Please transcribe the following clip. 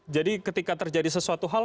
jadi ketika terjadi sesuatu hal